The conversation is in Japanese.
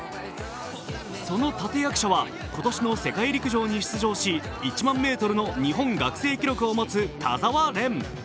その立役者は、今年の世界陸上に出場し、１００００ｍの日本学生記録を持つ田澤廉。